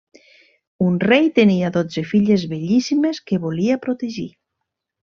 Un rei tenia dotze filles bellíssimes que volia protegir.